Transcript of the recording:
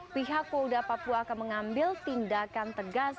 pihak polda papua akan mengambil tindakan tegas